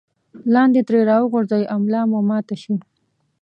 لاندې ترې راوغورځئ او ملا مو ماته شي.